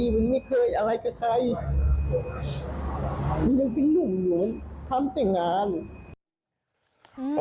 มันยังไปหลุมทำติงงาน